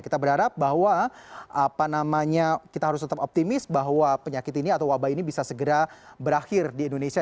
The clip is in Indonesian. kita berharap bahwa kita harus tetap optimis bahwa penyakit ini atau wabah ini bisa segera berakhir di indonesia